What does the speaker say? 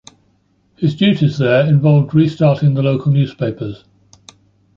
His duties there involved restarting the local newspapers.